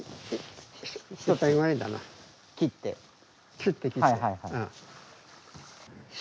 切って切って。